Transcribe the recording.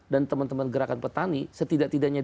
dan teman teman gerakan petani setidak tidaknya